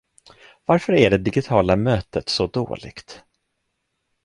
Varför är det digitala mötet så dåligt?